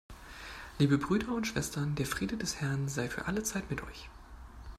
Liebe Brüder und Schwestern, der Friede des Herrn sei für alle Zeit mit euch.